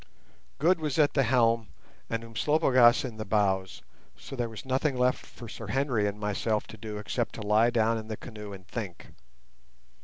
Good was at the helm and Umslopogaas in the bows, so there was nothing left for Sir Henry and myself to do except to lie down in the canoe and think.